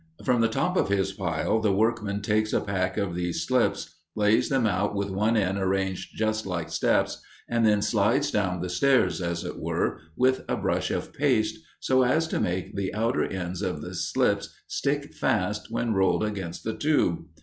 From the top of his pile the workman takes a pack of these slips, lays them out with one end arranged just like steps, and then slides down the stairs, as it were, with a brush of paste, so as to make the outer ends of the slips stick fast when rolled against the tube.